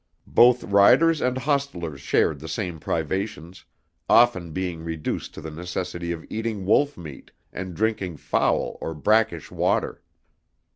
Both riders and hostlers shared the same privations, often being reduced to the necessity of eating wolf meat and drinking foul or brackish water.